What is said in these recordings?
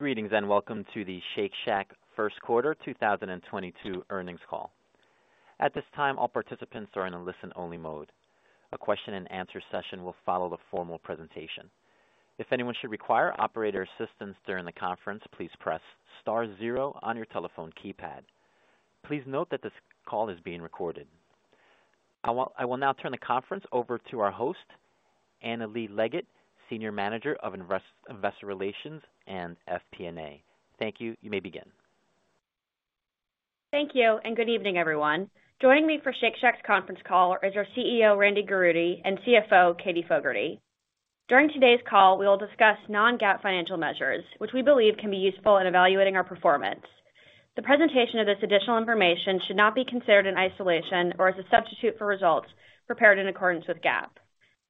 Greetings, welcome to the Shake Shack First Quarter 2022 Earnings Call. At this time, all participants are in a listen only mode. A question and answer session will follow the formal presentation. If anyone should require operator assistance during the conference, please press star zero on your telephone keypad. Please note that this call is being recorded. I will now turn the conference over to our host, Annalee Leggett, Director of Investor Relations & FP&A. Thank you. You may begin. Thank you, and good evening, everyone. Joining me for Shake Shack's conference call is our CEO, Randy Garutti, and CFO, Katie Fogertey. During today's call, we will discuss non-GAAP financial measures, which we believe can be useful in evaluating our performance. The presentation of this additional information should not be considered in isolation or as a substitute for results prepared in accordance with GAAP.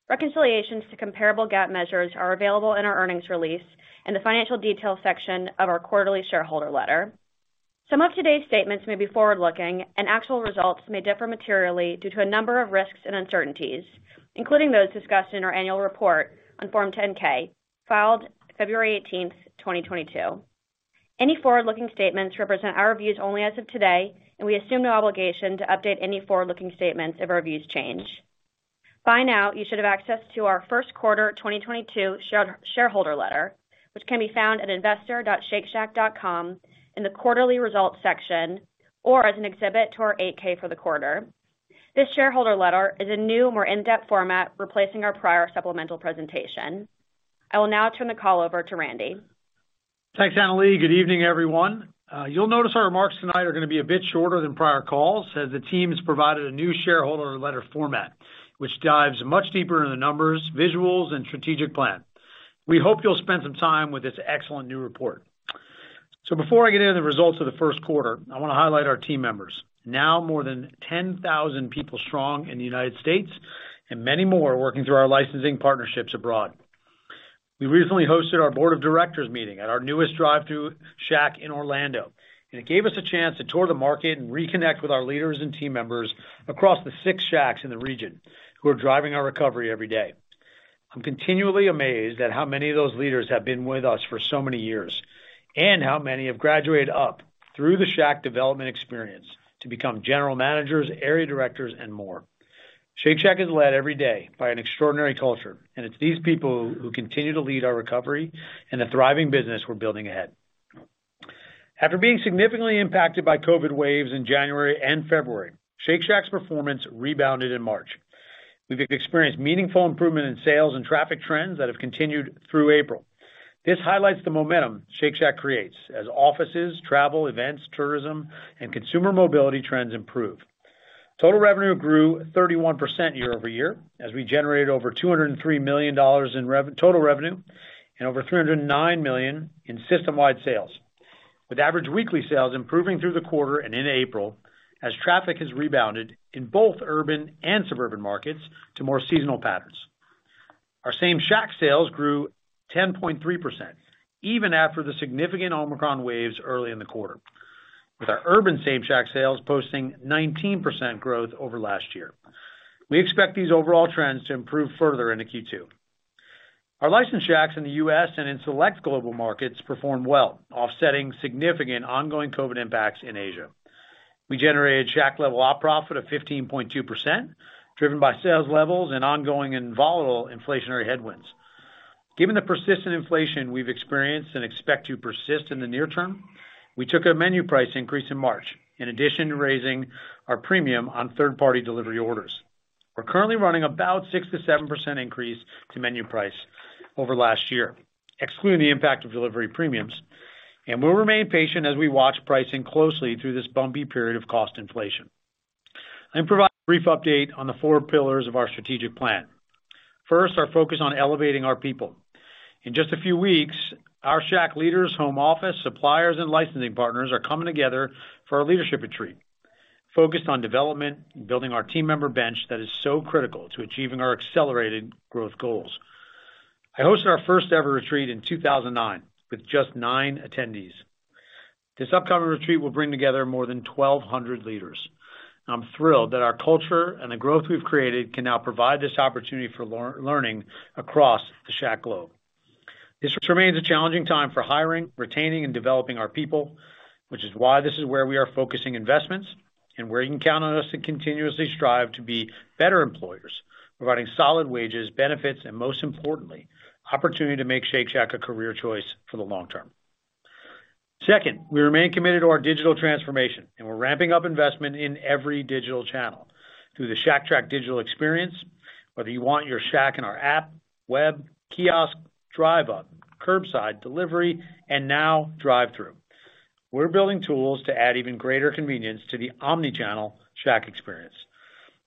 Reconciliations to comparable GAAP measures are available in our earnings release in the financial details section of our quarterly shareholder letter. Some of today's statements may be forward-looking and actual results may differ materially due to a number of risks and uncertainties, including those discussed in our annual report on Form 10-K, filed February 18th, 2022. Any forward-looking statements represent our views only as of today, and we assume no obligation to update any forward-looking statements if our views change. By now, you should have access to our first quarter 2022 shareholder letter, which can be found at investor.shakeshack.com in the quarterly results section, or as an exhibit to our Form 8-K for the quarter. This shareholder letter is a new, more in-depth format, replacing our prior supplemental presentation. I will now turn the call over to Randy. Thanks, Annalee. Good evening, everyone. You'll notice our remarks tonight are gonna be a bit shorter than prior calls, as the team has provided a new shareholder letter format, which dives much deeper into the numbers, visuals, and strategic plan. We hope you'll spend some time with this excellent new report. Before I get into the results of the first quarter, I wanna highlight our team members. Now more than 10,000 people strong in the United States and many more working through our licensing partnerships abroad. We recently hosted our board of directors meeting at our newest drive-thru Shack in Orlando, and it gave us a chance to tour the market and reconnect with our leaders and team members across the six Shacks in the region who are driving our recovery every day. I'm continually amazed at how many of those leaders have been with us for so many years, and how many have graduated up through the Shack development experience to become general managers, area directors, and more. Shake Shack is led every day by an extraordinary culture, and it's these people who continue to lead our recovery and the thriving business we're building ahead. After being significantly impacted by COVID waves in January and February, Shake Shack's performance rebounded in March. We've experienced meaningful improvement in sales and traffic trends that have continued through April. This highlights the momentum Shake Shack creates as offices, travel, events, tourism, and consumer mobility trends improve. Total revenue grew 31% year-over-year as we generated over $203 million in total revenue and over $309 million in system-wide sales. With average weekly sales improving through the quarter and in April as traffic has rebounded in both urban and suburban markets to more seasonal patterns. Our Same-Shack sales grew 10.3% even after the significant Omicron waves early in the quarter. With our urban Same-Shack sales posting 19% growth over last year. We expect these overall trends to improve further into Q2. Our licensed Shacks in the U.S. and in select global markets performed well, offsetting significant ongoing COVID impacts in Asia. We generated Shack-level operating profit of 15.2%, driven by sales levels and ongoing and volatile inflationary headwinds. Given the persistent inflation we've experienced and expect to persist in the near term, we took a menu price increase in March in addition to raising our premium on third-party delivery orders. We're currently running about 6%-7% increase to menu price over last year, excluding the impact of delivery premiums, and we'll remain patient as we watch pricing closely through this bumpy period of cost inflation. I'm providing a brief update on the four pillars of our strategic plan. First, our focus on elevating our people. In just a few weeks, our Shack leaders, home office, suppliers, and licensing partners are coming together for our leadership retreat focused on development and building our team member bench that is so critical to achieving our accelerated growth goals. I hosted our first ever retreat in 2009 with just nine attendees. This upcoming retreat will bring together more than 1,200 leaders. I'm thrilled that our culture and the growth we've created can now provide this opportunity for learning across the Shack globe. This remains a challenging time for hiring, retaining, and developing our people, which is why this is where we are focusing investments and where you can count on us to continuously strive to be better employers, providing solid wages, benefits, and most importantly, opportunity to make Shake Shack a career choice for the long term. Second, we remain committed to our digital transformation, and we're ramping up investment in every digital channel through the Shack Track digital experience, whether you want your Shack in our app, web, kiosk, drive-up, curbside delivery, and now drive-thru. We're building tools to add even greater convenience to the omni-channel Shack experience.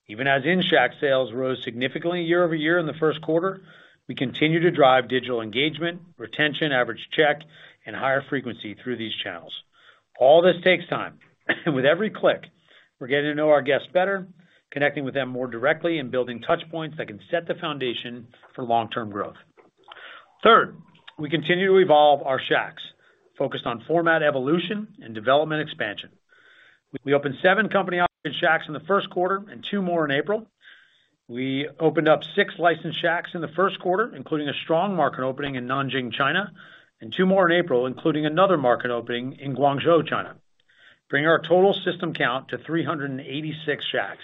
Even as in-Shack sales rose significantly year-over-year in the first quarter, we continue to drive digital engagement, retention, average check, and higher frequency through these channels. All this takes time. With every click, we're getting to know our guests better, connecting with them more directly, and building touch points that can set the foundation for long-term growth. Third, we continue to evolve our Shacks, focused on format evolution and development expansion. We opened seven company-operated Shacks in the first quarter and two more in April. We opened up six licensed Shacks in the first quarter, including a strong market opening in Nanjing, China, and two more in April, including another market opening in Guangzhou, China, bringing our total system count to 386 Shacks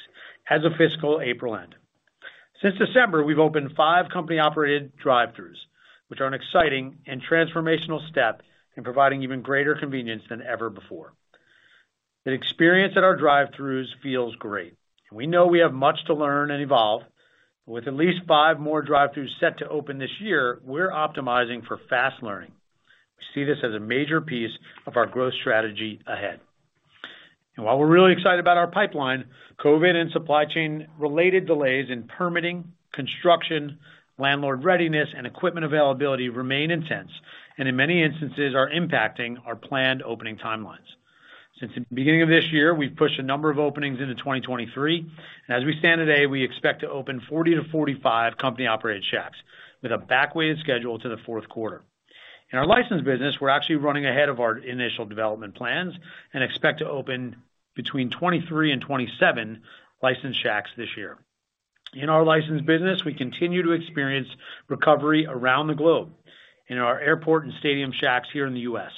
as of fiscal April end. Since December, we've opened five company-operated drive-throughs, which are an exciting and transformational step in providing even greater convenience than ever before. The experience at our drive-throughs feels great. We know we have much to learn and evolve. With at least five more drive-throughs set to open this year, we're optimizing for fast learning. We see this as a major piece of our growth strategy ahead. While we're really excited about our pipeline, COVID and supply chain-related delays in permitting, construction, landlord readiness, and equipment availability remain intense, and in many instances are impacting our planned opening timelines. Since the beginning of this year, we've pushed a number of openings into 2023. As we stand today, we expect to open 40-45 company-operated Shacks with a back weighted schedule to the fourth quarter. In our licensed business, we're actually running ahead of our initial development plans and expect to open between 23 and 27 licensed Shacks this year. In our licensed business, we continue to experience recovery around the globe in our airport and stadium Shacks here in the U.S..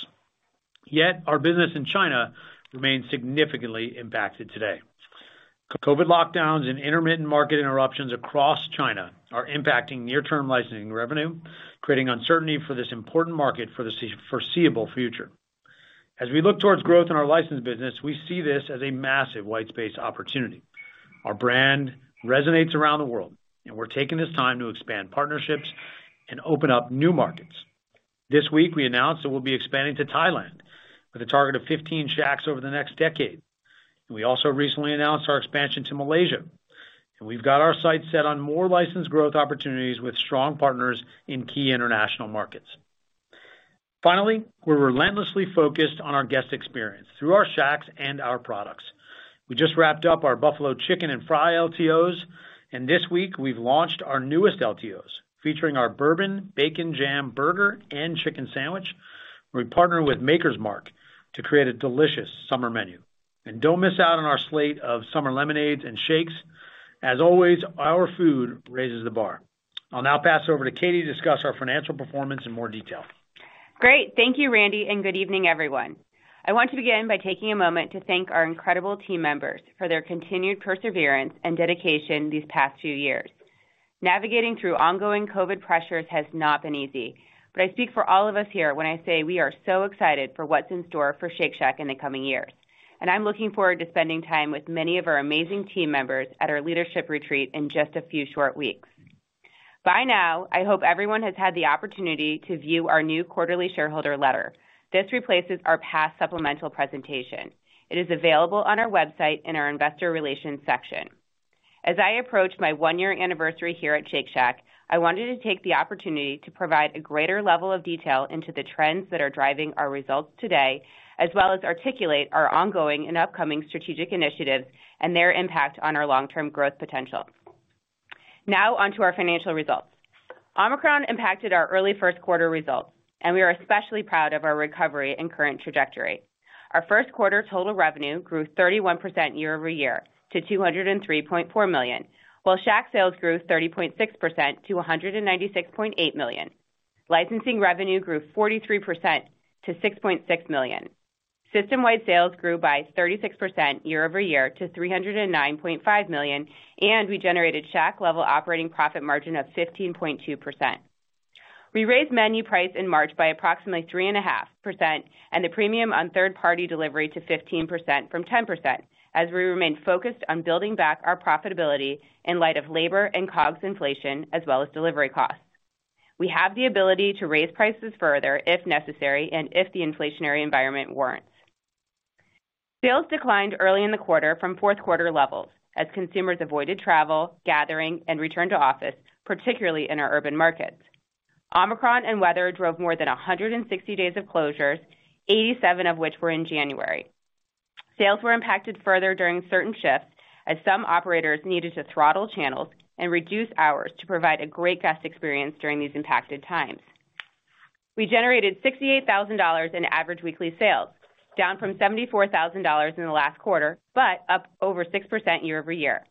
Yet our business in China remains significantly impacted today. COVID lockdowns and intermittent market interruptions across China are impacting near-term licensing revenue, creating uncertainty for this important market for the foreseeable future. As we look towards growth in our licensed business, we see this as a massive white space opportunity. Our brand resonates around the world, and we're taking this time to expand partnerships and open up new markets. This week, we announced that we'll be expanding to Thailand with a target of 15 Shacks over the next decade. We also recently announced our expansion to Malaysia. We've got our sights set on more licensed growth opportunities with strong partners in key international markets. Finally, we're relentlessly focused on our guest experience through our Shacks and our products. We just wrapped up our Buffalo Chicken and Fry LTOs, and this week we've launched our newest LTOs featuring our Bourbon Bacon Jam Burger and chicken sandwich. We partner with Maker's Mark to create a delicious summer menu. Don't miss out on our slate of summer lemonades and shakes. As always, our food raises the bar. I'll now pass over to Katie to discuss our financial performance in more detail. Great. Thank you, Randy, and good evening, everyone. I want to begin by taking a moment to thank our incredible team members for their continued perseverance and dedication these past few years. Navigating through ongoing COVID pressures has not been easy, but I speak for all of us here when I say we are so excited for what's in store for Shake Shack in the coming years. I'm looking forward to spending time with many of our amazing team members at our leadership retreat in just a few short weeks. By now, I hope everyone has had the opportunity to view our new quarterly shareholder letter. This replaces our past supplemental presentation. It is available on our website in our investor relations section. As I approach my one-year anniversary here at Shake Shack, I wanted to take the opportunity to provide a greater level of detail into the trends that are driving our results today, as well as articulate our ongoing and upcoming strategic initiatives and their impact on our long-term growth potential. Now on to our financial results. Omicron impacted our early first quarter results, and we are especially proud of our recovery and current trajectory. Our first quarter total revenue grew 31% year over year to $203.4 million, while Shack sales grew 30.6% to $196.8 million. Licensing revenue grew 43% to $6.6 million. System-wide sales grew by 36% year over year to $309.5 million, and we generated Shack level operating profit margin of 15.2%. We raised menu price in March by approximately 3.5% and the premium on third-party delivery to 15% from 10% as we remain focused on building back our profitability in light of labor and COGS inflation as well as delivery costs. We have the ability to raise prices further if necessary and if the inflationary environment warrants. Sales declined early in the quarter from fourth quarter levels as consumers avoided travel, gathering, and return to office, particularly in our urban markets. Omicron and weather drove more than 160 days of closures, 87 of which were in January. Sales were impacted further during certain shifts as some operators needed to throttle channels and reduce hours to provide a great guest experience during these impacted times. We generated $68,000 in average weekly sales, down from $74,000 in the last quarter, but up over 6% year-over-year.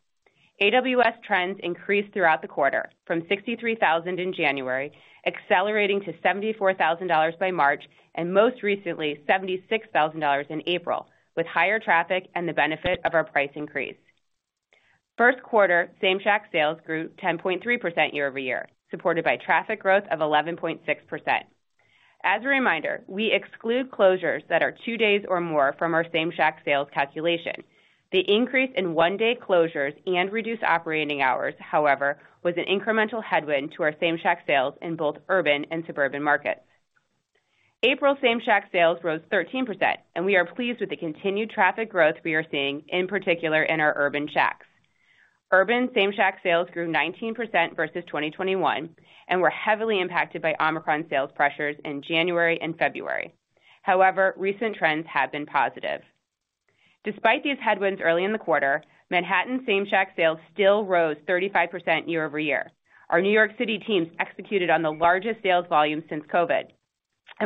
AWS trends increased throughout the quarter from $63,000 in January, accelerating to $74,000 by March, and most recently $76,000 in April, with higher traffic and the benefit of our price increase. First-quarter Same-Shack sales grew 10.3% year-over-year, supported by traffic growth of 11.6%. As a reminder, we exclude closures that are two days or more from our Same-Shack sales calculation. The increase in one-day closures and reduced operating hours, however, was an incremental headwind to our Same-Shack sales in both urban and suburban markets. April Same-Shack sales rose 13%, and we are pleased with the continued traffic growth we are seeing, in particular in our urban Shacks. Urban Same-Shack sales grew 19% versus 2021 and were heavily impacted by Omicron sales pressures in January and February. However, recent trends have been positive. Despite these headwinds early in the quarter, Manhattan Same-Shack sales still rose 35% year-over-year. Our New York City teams executed on the largest sales volume since COVID.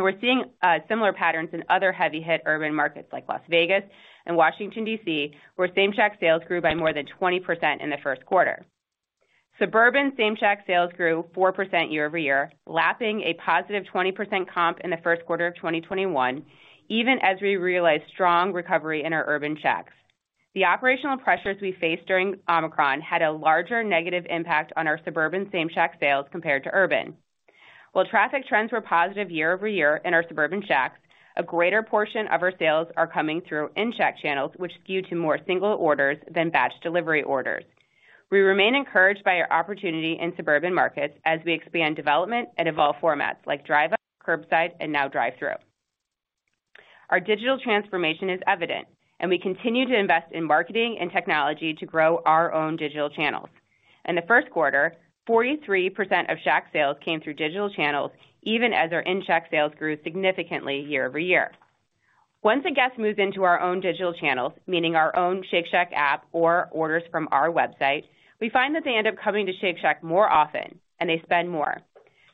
We're seeing similar patterns in other heavy hit urban markets like Las Vegas and Washington, D.C., where Same-Shack sales grew by more than 20% in the first quarter. Suburban Same-Shack sales grew 4% year-over-year, lapping a positive 20% comp in the first quarter of 2021, even as we realized strong recovery in our urban Shacks. The operational pressures we faced during Omicron had a larger negative impact on our suburban Same-Shack sales compared to urban. While traffic trends were positive year-over-year in our suburban Shacks, a greater portion of our sales are coming through in-Shack channels, which skew to more single orders than batch delivery orders. We remain encouraged by our opportunity in suburban markets as we expand development and evolve formats like drive-up, curbside, and now drive-thru. Our digital transformation is evident, and we continue to invest in marketing and technology to grow our own digital channels. In the first quarter, 43% of Shack sales came through digital channels, even as our in-Shack sales grew significantly year-over-year. Once a guest moves into our own digital channels, meaning our own Shake Shack app or orders from our website, we find that they end up coming to Shake Shack more often and they spend more.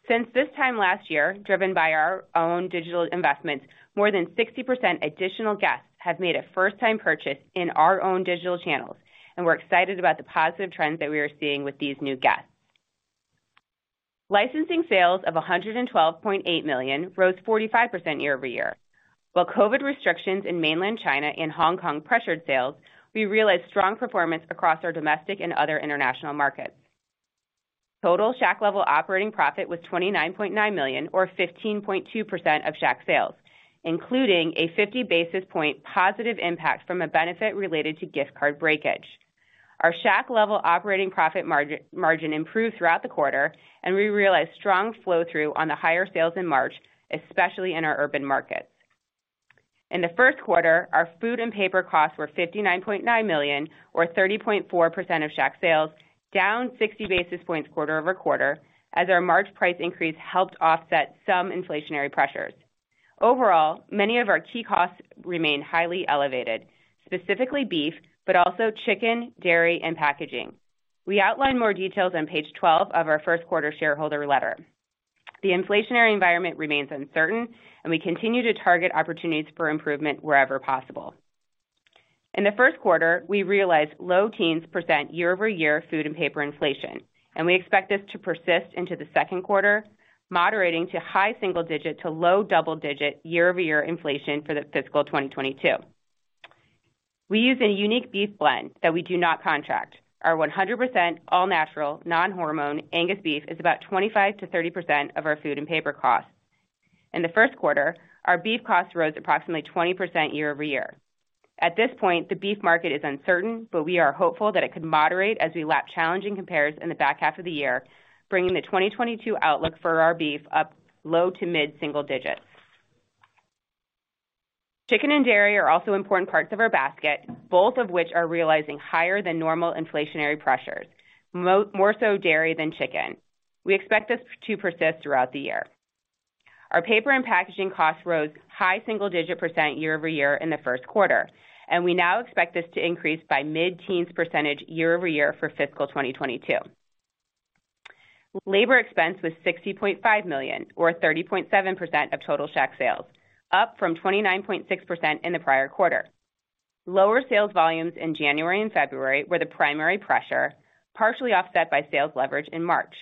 Since this time last year, driven by our own digital investments, more than 60% additional guests have made a first time purchase in our own digital channels, and we're excited about the positive trends that we are seeing with these new guests. Licensing sales of $112.8 million rose 45% year-over-year. While COVID restrictions in mainland China and Hong Kong pressured sales, we realized strong performance across our domestic and other international markets. Total Shack-level operating profit was $29.9 million or 15.2% of Shack sales, including a 50 basis point positive impact from a benefit related to gift card breakage. Our Shack-level operating profit margin improved throughout the quarter, and we realized strong flow through on the higher sales in March, especially in our urban markets. In the first quarter, our food and paper costs were $59.9 million, or 30.4% of Shack sales, down 60 basis points quarter-over-quarter as our March price increase helped offset some inflationary pressures. Overall, many of our key costs remain highly elevated, specifically beef, but also chicken, dairy, and packaging. We outline more details on page 12 of our first quarter shareholder letter. The inflationary environment remains uncertain and we continue to target opportunities for improvement wherever possible. In the first quarter, we realized low teens % year-over-year food and paper inflation, and we expect this to persist into the second quarter, moderating to high single-digit to low double-digit year-over-year inflation for the fiscal 2022. We use a unique beef blend that we do not contract. Our 100% all-natural non-hormone Angus beef is about 25%-30% of our food and paper costs. In the first quarter, our beef costs rose approximately 20% year-over-year. At this point, the beef market is uncertain, but we are hopeful that it could moderate as we lap challenging compares in the back half of the year, bringing the 2022 outlook for our beef to low- to mid-single digits. Chicken and dairy are also important parts of our basket, both of which are realizing higher than normal inflationary pressures, more so dairy than chicken. We expect this to persist throughout the year. Our paper and packaging costs rose high single-digit % year-over-year in the first quarter, and we now expect this to increase by mid-teens % year-over-year for fiscal 2022. Labor expense was $60.5 million or 30.7% of total Shack sales, up from 29.6% in the prior quarter. Lower sales volumes in January and February were the primary pressure, partially offset by sales leverage in March.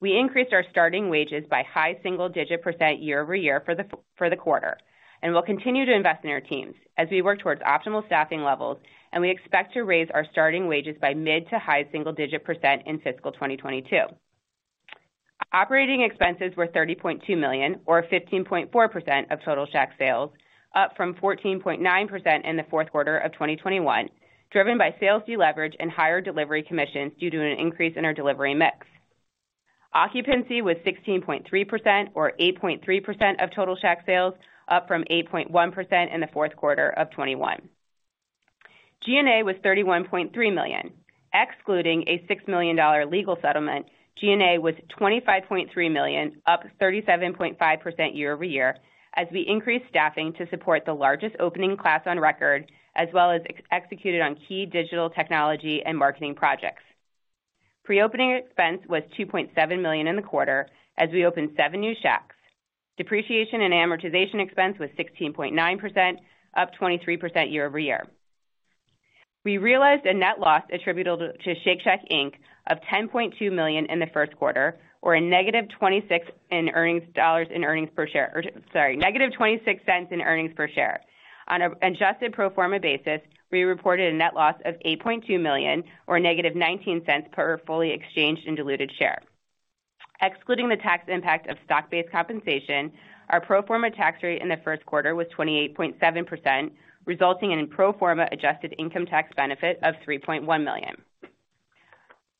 We increased our starting wages by high single-digit % year-over-year for the quarter. We'll continue to invest in our teams as we work towards optimal staffing levels, and we expect to raise our starting wages by mid- to high-single-digit % in fiscal 2022. Operating expenses were $30.2 million or 15.4% of total Shack sales, up from 14.9% in the fourth quarter of 2021, driven by sales deleverage and higher delivery commissions due to an increase in our delivery mix. Occupancy was $16.3 million or 8.3% of total Shack sales, up from 8.1% in the fourth quarter of 2021. G&A was $31.3 million. Excluding a $6 million legal settlement, G&A was $25.3 million, up 37.5% year-over-year, as we increased staffing to support the largest opening class on record, as well as executed on key digital technology and marketing projects. Pre-opening expense was $2.7 million in the quarter as we opened seven new Shacks. Depreciation and amortization expense was $16.9 million, up 23% year-over-year. We realized a net loss attributable to Shake Shack Inc. of $10.2 million in the first quarter, or -$0.26. In earnings per share. On an adjusted pro forma basis, we reported a net loss of $8.2 million or -$0.19 per fully exchanged and diluted share. Excluding the tax impact of stock-based compensation, our pro forma tax rate in the first quarter was 28.7%, resulting in a pro forma adjusted income tax benefit of $3.1 million.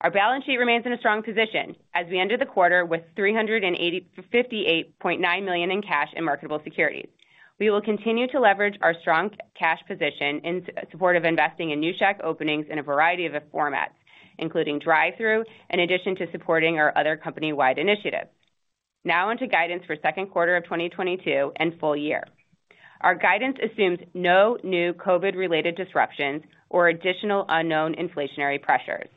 Our balance sheet remains in a strong position as we ended the quarter with $358.9 million in cash and marketable securities. We will continue to leverage our strong cash position in support of investing in new Shack openings in a variety of formats, including drive-thru, in addition to supporting our other company-wide initiatives. Now onto guidance for second quarter of 2022 and full year. Our guidance assumes no new COVID related disruptions or additional unknown inflationary pressures.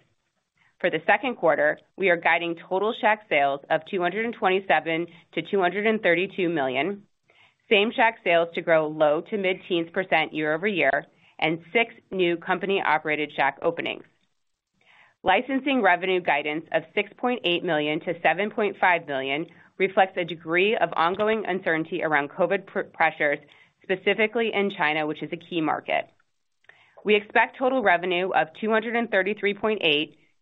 For the second quarter, we are guiding total Shack sales of $227 million-$232 million. Same-Shack sales to grow low to mid-teens % year-over-year, and 6 new company-operated Shack openings. Licensing revenue guidance of $6.8 million-$7.5 million reflects a degree of ongoing uncertainty around COVID pressures, specifically in China, which is a key market. We expect total revenue of $233.8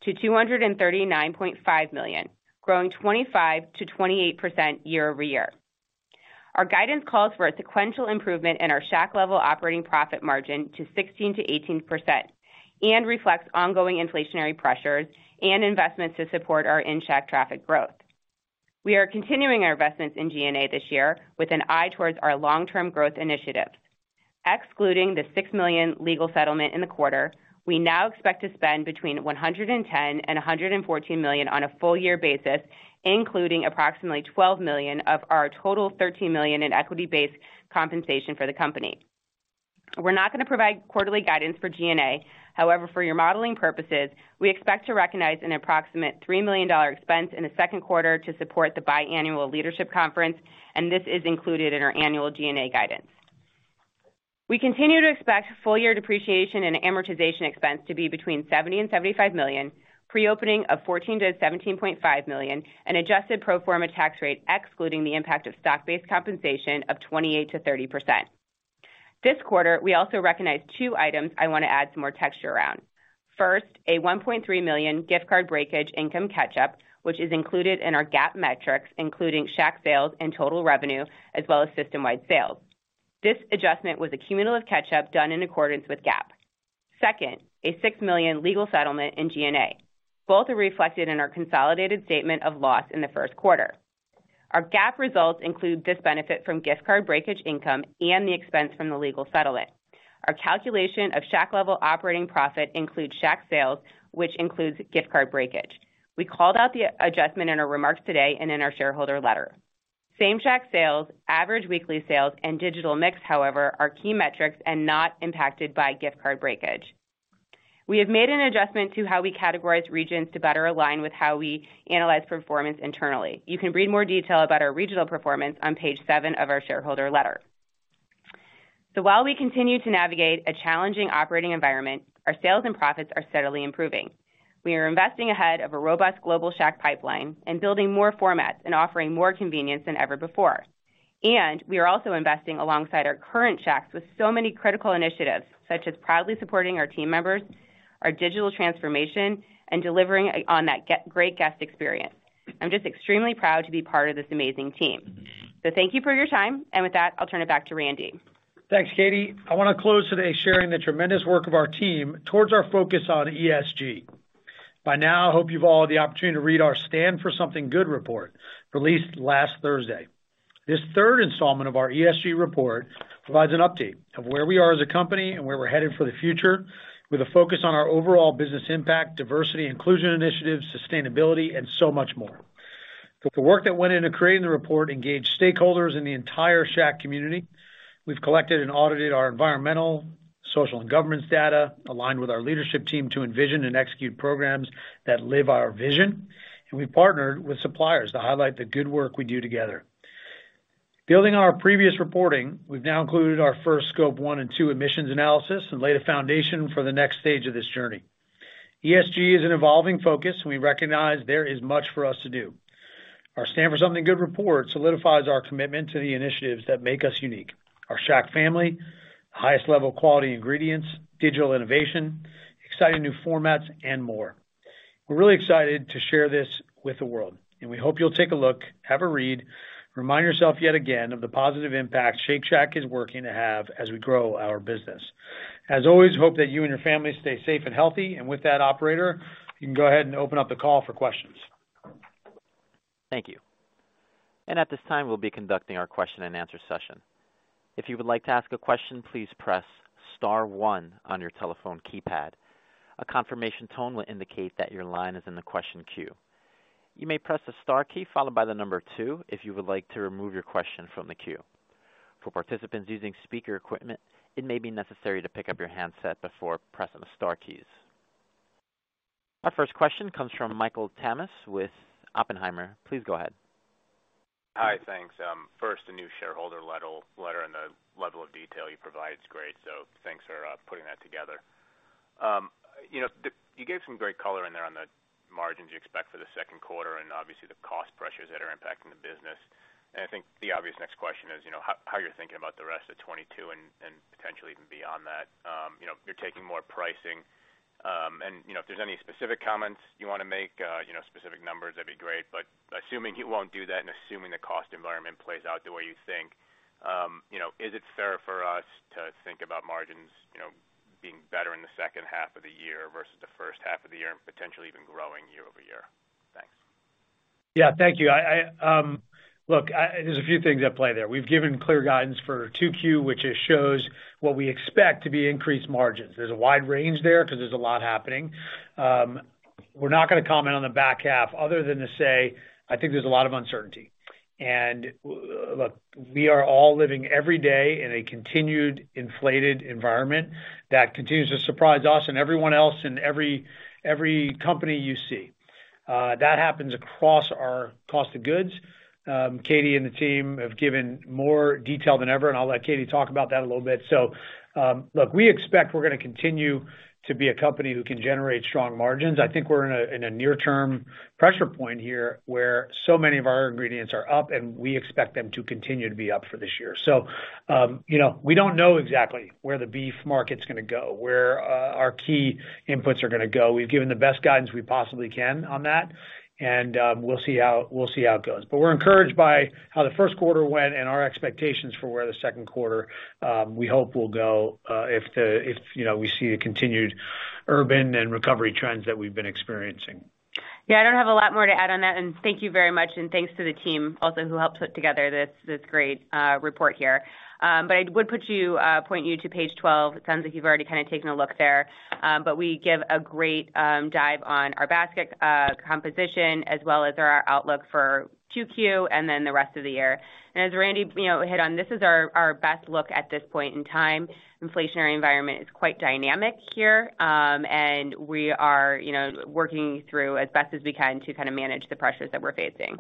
million-$239.5 million, growing 25%-28% year-over-year. Our guidance calls for a sequential improvement in our Shack-level operating profit margin to 16%-18% and reflects ongoing inflationary pressures and investments to support our in-Shack traffic growth. We are continuing our investments in G&A this year with an eye towards our long-term growth initiatives. Excluding the $6 million legal settlement in the quarter, we now expect to spend between $110 million and $114 million on a full year basis, including approximately $12 million of our total $13 million in equity-based compensation for the company. We're not gonna provide quarterly guidance for G&A. However, for your modeling purposes, we expect to recognize an approximate $3 million expense in the second quarter to support the biannual leadership conference, and this is included in our annual G&A guidance. We continue to expect full year depreciation and amortization expense to be between $70 million and $75 million, pre-opening of $14 million-$17.5 million, an adjusted pro forma tax rate excluding the impact of stock-based compensation of 28%-30%. This quarter, we also recognized two items I wanna add some more texture around. First, a $1.3 million gift card breakage income catch-up, which is included in our GAAP metrics, including Shack sales and total revenue, as well as system-wide sales. This adjustment was a cumulative catch-up done in accordance with GAAP. Second, a $6 million legal settlement in G&A. Both are reflected in our consolidated statement of loss in the first quarter. Our GAAP results include this benefit from gift card breakage income and the expense from the legal settlement. Our calculation of Shack-level operating profit includes Shack sales, which includes gift card breakage. We called out the adjustment in our remarks today and in our shareholder letter. Same-Shack sales, average weekly sales, and digital mix, however, are key metrics and not impacted by gift card breakage. We have made an adjustment to how we categorize regions to better align with how we analyze performance internally. You can read more detail about our regional performance on page seven of our shareholder letter. While we continue to navigate a challenging operating environment, our sales and profits are steadily improving. We are investing ahead of a robust global Shack pipeline and building more formats and offering more convenience than ever before. We are also investing alongside our current Shacks with so many critical initiatives, such as proudly supporting our team members, our digital transformation, and delivering on that great guest experience. I'm just extremely proud to be part of this amazing team. Thank you for your time. With that, I'll turn it back to Randy. Thanks, Katie. I wanna close today sharing the tremendous work of our team towards our focus on ESG. By now, I hope you've all had the opportunity to read our Stand For Something Good report released last Thursday. This third installment of our ESG report provides an update of where we are as a company and where we're headed for the future, with a focus on our overall business impact, diversity, inclusion initiatives, sustainability, and so much more. With the work that went into creating the report, engaged stakeholders in the entire Shack community, we've collected and audited our environmental, social, and governance data, aligned with our leadership team to envision and execute programs that live our vision. We've partnered with suppliers to highlight the good work we do together. Building our previous reporting, we've now included our first Scope 1 and 2 emissions analysis and laid a foundation for the next stage of this journey. ESG is an evolving focus, and we recognize there is much for us to do. Our Stand For Something Good report solidifies our commitment to the initiatives that make us unique, our Shack family, highest level quality ingredients, digital innovation, exciting new formats, and more. We're really excited to share this with the world, and we hope you'll take a look, have a read, remind yourself yet again of the positive impact Shake Shack is working to have as we grow our business. As always, hope that you and your family stay safe and healthy. With that, operator, you can go ahead and open up the call for questions. Thank you. At this time, we'll be conducting our question and answer session. If you would like to ask a question, please press star one on your telephone keypad. A confirmation tone will indicate that your line is in the question queue. You may press the star key followed by the number two if you would like to remove your question from the queue. For participants using speaker equipment, it may be necessary to pick up your handset before pressing the star keys. Our first question comes from Michael Tamas with Oppenheimer. Please go ahead. Hi. Thanks. First, a new shareholder letter, and the level of detail you provide is great. Thanks for putting that together. You gave some great color in there on the margins you expect for the second quarter and obviously the cost pressures that are impacting the business. I think the obvious next question is how you're thinking about the rest of 2022 and potentially even beyond that. You're taking more pricing. If there's any specific comments you wanna make, specific numbers, that'd be great. Assuming you won't do that and assuming the cost environment plays out the way you think, you know, is it fair for us to think about margins, you know, being better in the second half of the year versus the first half of the year and potentially even growing year over year? Thanks. Yeah. Thank you. Look, there's a few things at play there. We've given clear guidance for 2Q, which it shows what we expect to be increased margins. There's a wide range there because there's a lot happening. We're not gonna comment on the back half other than to say, I think there's a lot of uncertainty. Look, we are all living every day in a continued inflated environment that continues to surprise us and everyone else in every company you see. That happens across our cost of goods. Katie and the team have given more detail than ever, and I'll let Katie talk about that a little bit. Look, we expect we're gonna continue to be a company who can generate strong margins. I think we're in a near term pressure point here, where so many of our ingredients are up and we expect them to continue to be up for this year. You know, we don't know exactly where the beef market's gonna go, where our key inputs are gonna go. We've given the best guidance we possibly can on that, and we'll see how it goes. We're encouraged by how the first quarter went and our expectations for where the second quarter we hope will go, if you know we see a continued urban and recovery trends that we've been experiencing. Yeah, I don't have a lot more to add on that. Thank you very much, and thanks to the team also who helped put together this great report here. I would point you to page 12. It sounds like you've already kinda taken a look there. We give a great dive on our basket composition as well as our outlook for 2Q and then the rest of the year. As Randy, you know, hit on, this is our best look at this point in time. Inflationary environment is quite dynamic here, and we are, you know, working through as best as we can to kinda manage the pressures that we're facing.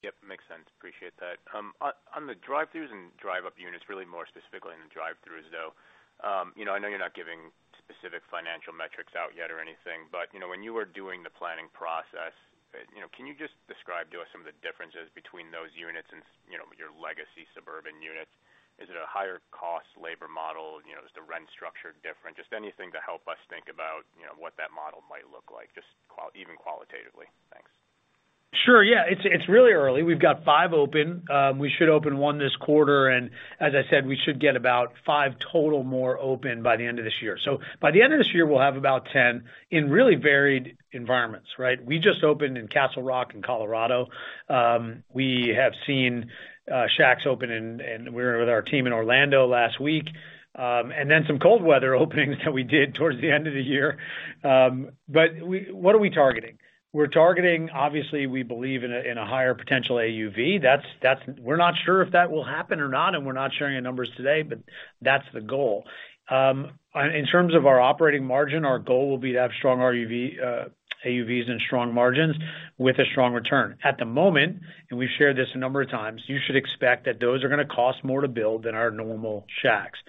Yep, makes sense. Appreciate that. On the drive-throughs and drive up units, really more specifically in the drive-throughs, though. You know, I know you're not giving specific financial metrics out yet or anything, but, you know, when you were doing the planning process, you know, can you just describe to us some of the differences between those units and, you know, your legacy suburban units? Is it a higher cost labor model? You know, is the rent structure different? Just anything to help us think about, you know, what that model might look like, even qualitatively. Thanks. Sure. Yeah. It's really early. We've got five open. We should open 1 this quarter, and as I said, we should get about five total more open by the end of this year. By the end of this year, we'll have about 10 in really varied environments, right? We just opened in Castle Rock in Colorado. We have seen Shacks open in. We were with our team in Orlando last week, and then some cold weather openings that we did towards the end of the year. What are we targeting? We're targeting obviously. We believe in a higher potential AUV. That's. We're not sure if that will happen or not, and we're not sharing the numbers today, but that's the goal. In terms of our operating margin, our goal will be to have strong AUVs and strong margins with a strong return. At the moment, we've shared this a number of times, you should expect that those are gonna cost more to build than our normal Shacks.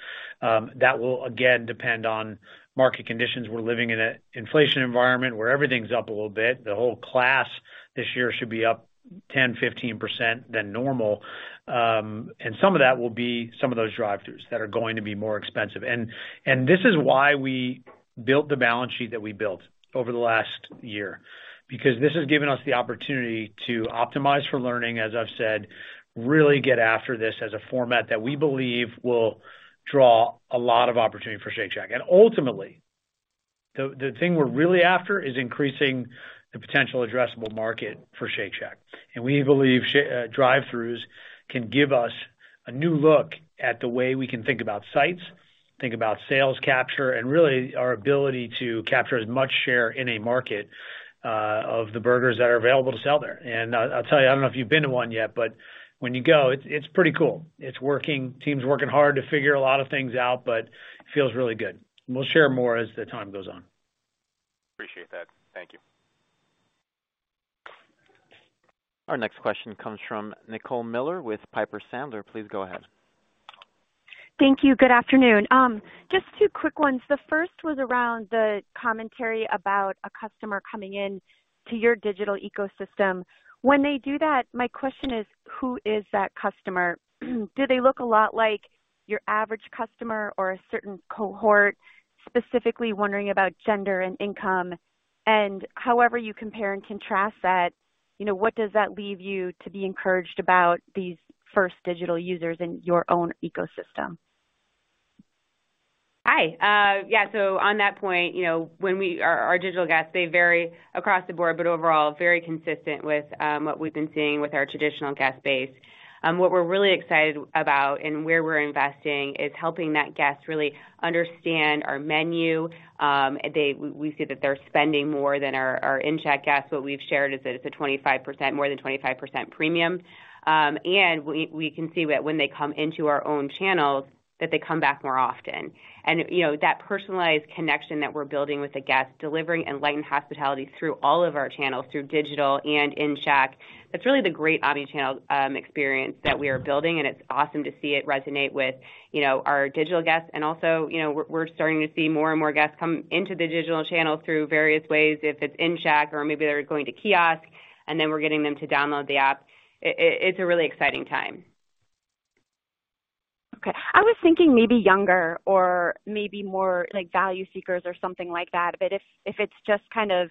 That will again depend on market conditions. We're living in an inflation environment where everything's up a little bit. The whole class this year should be up 10%-15% than normal. Some of that will be some of those drive-throughs that are going to be more expensive. This is why we built the balance sheet that we built over the last year, because this has given us the opportunity to optimize for learning, as I've said, really get after this as a format that we believe will draw a lot of opportunity for Shake Shack. Ultimately, the thing we're really after is increasing the potential addressable market for Shake Shack. We believe drive-throughs can give us a new look at the way we can think about sites, think about sales capture, and really our ability to capture as much share in a market of the burgers that are available to sell there. I'll tell you, I don't know if you've been to one yet, but when you go, it's pretty cool. It's working. Team's working hard to figure a lot of things out, but it feels really good. We'll share more as the time goes on. Appreciate that. Thank you. Our next question comes from Nicole Miller with Piper Sandler. Please go ahead. Thank you. Good afternoon. Just two quick ones. The first was around the commentary about a customer coming in to your digital ecosystem. When they do that, my question is, who is that customer? Do they look a lot like your average customer or a certain cohort, specifically wondering about gender and income? However you compare and contrast that, you know, what does that leave you to be encouraged about these first digital users in your own ecosystem? Hi. Yeah, on that point, you know, our digital guests, they vary across the board, but overall very consistent with what we've been seeing with our traditional guest base. What we're really excited about and where we're investing is helping that guest really understand our menu. We see that they're spending more than our in-Shack guests. What we've shared is that it's more than 25% premium. We can see that when they come into our own channels, that they come back more often. You know, that personalized connection that we're building with the guests, delivering enlightened hospitality through all of our channels, through digital and in-Shack, that's really the great omnichannel experience that we are building, and it's awesome to see it resonate with, you know, our digital guests. You know, we're starting to see more and more guests come into the digital channels through various ways. If it's in Shack or maybe they're going to kiosk, and then we're getting them to download the app. It's a really exciting time. Okay. I was thinking maybe younger or maybe more like value seekers or something like that. If it's just kind of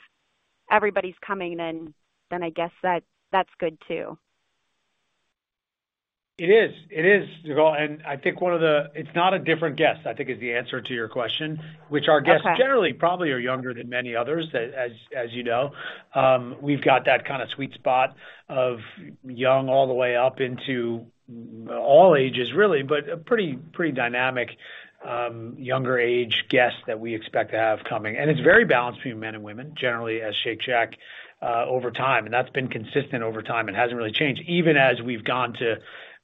everybody's coming, then I guess that's good too. It is. It is, Nicole. I think it's not a different guest, I think is the answer to your question. Okay. Which our guests generally probably are younger than many others. As you know, we've got that kinda sweet spot of young all the way up into all ages, really, but a pretty dynamic younger age guests that we expect to have coming. It's very balanced between men and women, generally as Shake Shack, over time. That's been consistent over time. It hasn't really changed, even as we've gone to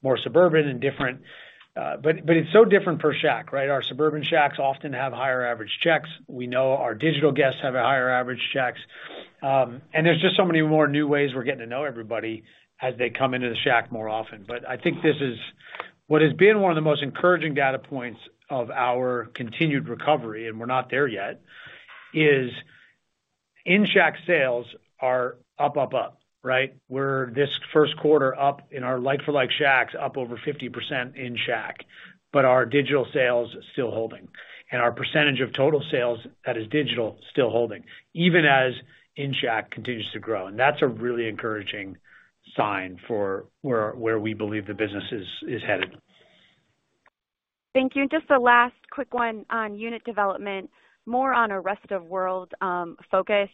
more suburban. It's so different per Shack, right? Our suburban Shacks often have higher average checks. We know our digital guests have a higher average checks. There's just so many more new ways we're getting to know everybody as they come into the Shack more often. I think this is what has been one of the most encouraging data points of our continued recovery, and we're not there yet, is in-Shack sales are up, right? We're this first quarter up in our like-for-like Shacks, up over 50% in Shack, but our digital sales are still holding. Our percentage of total sales that is digital, still holding, even as in-Shack continues to grow. That's a really encouraging sign for where we believe the business is headed. Thank you. Just a last quick one on unit development, more on a rest of world focus.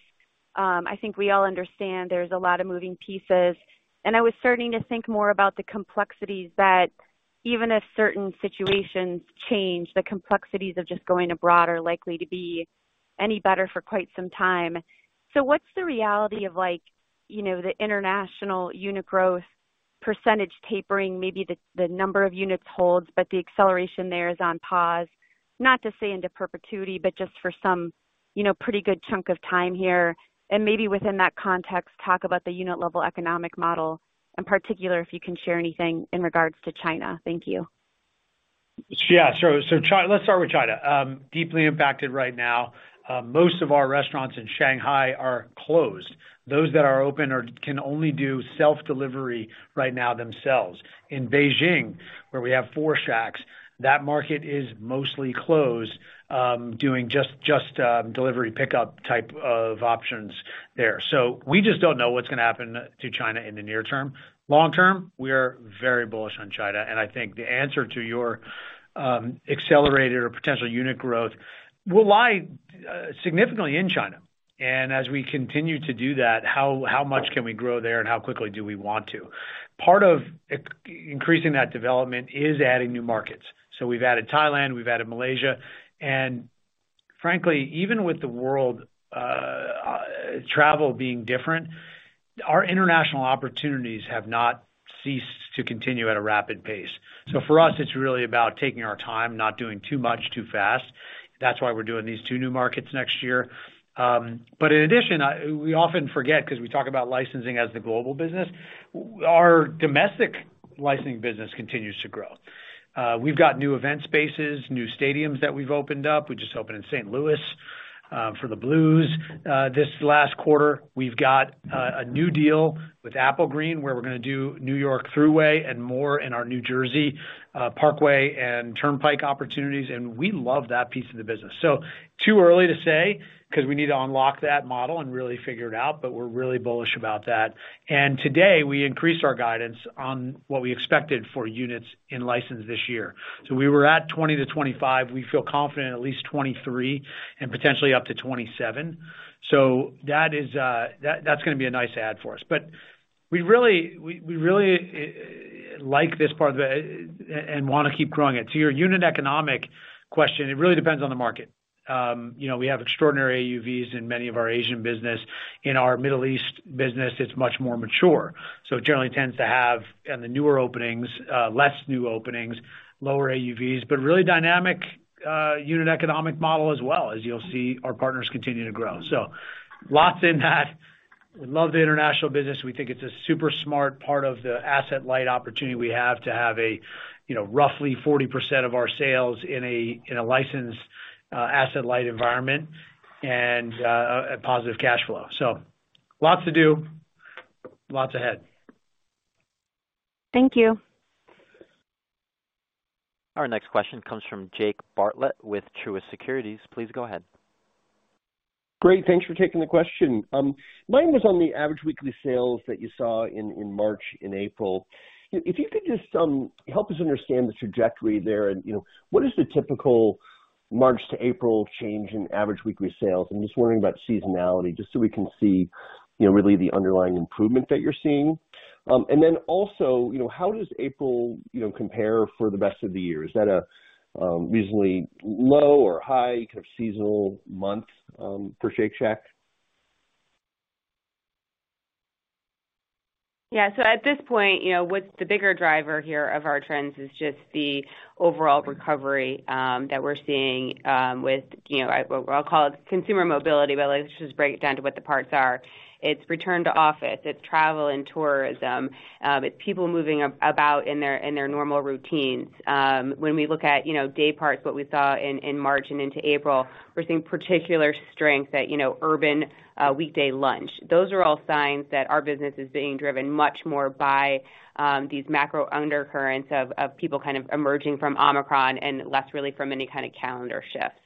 I think we all understand there's a lot of moving pieces, and I was starting to think more about the complexities that even as certain situations change, the complexities of just going abroad are likely to be any better for quite some time. So what's the reality of like, you know, the international unit growth percentage tapering, maybe the number of units holds, but the acceleration there is on pause, not to say into perpetuity, but just for some, you know, pretty good chunk of time here. Maybe within that context, talk about the unit level economic model, in particular, if you can share anything in regards to China. Thank you. Let's start with China. Deeply impacted right now. Most of our restaurants in Shanghai are closed. Those that are open can only do self-delivery right now themselves. In Beijing, where we have four Shacks, that market is mostly closed, doing just delivery pickup type of options there. We just don't know what's gonna happen to China in the near term. Long term, we are very bullish on China, and I think the answer to your accelerated or potential unit growth will lie significantly in China. As we continue to do that, how much can we grow there and how quickly do we want to? Part of increasing that development is adding new markets. We've added Thailand, we've added Malaysia. Frankly, even with world travel being different, our international opportunities have not ceased to continue at a rapid pace. For us, it's really about taking our time, not doing too much too fast. That's why we're doing these two new markets next year. In addition, we often forget 'cause we talk about licensing as the global business, our domestic licensing business continues to grow. We've got new event spaces, new stadiums that we've opened up. We just opened in St. Louis for the St. Louis Blues. This last quarter, we've got a new deal with Applegreen, where we're gonna do New York State Thruway and more in our New Jersey Parkway and Turnpike opportunities, and we love that piece of the business. Too early to say 'cause we need to unlock that model and really figure it out, but we're really bullish about that. Today, we increased our guidance on what we expected for units in license this year. We were at 20-25. We feel confident at least 23 and potentially up to 27. That's gonna be a nice add for us. We really like this part and wanna keep growing it. To your unit economic question, it really depends on the market. You know, we have extraordinary AUVs in many of our Asian business. In our Middle East business, it's much more mature. It generally tends to have, in the newer openings, less new openings, lower AUVs, but really dynamic, unit economic model as well as you'll see our partners continue to grow. Lots in that. We love the international business. We think it's a super smart part of the asset light opportunity we have to have a, you know, roughly 40% of our sales in a, in a licensed, asset light environment and, a positive cash flow. Lots to do, lots ahead. Thank you. Our next question comes from Jake Bartlett with Truist Securities. Please go ahead. Great. Thanks for taking the question. Mine was on the average weekly sales that you saw in March and April. If you could just help us understand the trajectory there and, you know, what is the typical March to April change in average weekly sales? I'm just wondering about seasonality, just so we can see, you know, really the underlying improvement that you're seeing. You know, how does April, you know, compare for the rest of the year? Is that a reasonably low or high kind of seasonal month for Shake Shack? Yeah. At this point, you know, what's the bigger driver here of our trends is just the overall recovery that we're seeing with, you know, what I'll call it consumer mobility, but let's just break it down to what the parts are. It's return to office, it's travel and tourism. It's people moving about in their normal routines. When we look at, you know, day parts, what we saw in March and into April was in particular strength at, you know, urban weekday lunch. Those are all signs that our business is being driven much more by these macro undercurrents of people kind of emerging from Omicron and less really from any kind of calendar shifts.